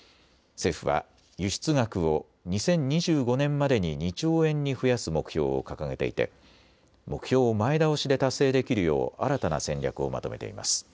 政府は輸出額を２０２５年までに２兆円に増やす目標を掲げていて目標を前倒しで達成できるよう新たな戦略をまとめています。